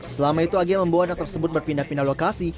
selama itu ag membawa anak tersebut berpindah pindah lokasi